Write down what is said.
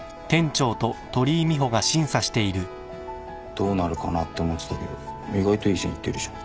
どうなるかなって思ってたけど意外といい線いってるじゃん。